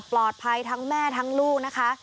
ปลอดภัยทั้งแม่ทั้งลูกนะคะ